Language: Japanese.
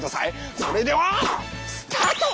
それではスタート！